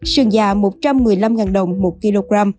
sườn già một trăm một mươi năm đồng một kg